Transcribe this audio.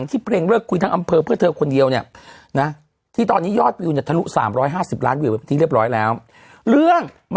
อิ๊มหรือ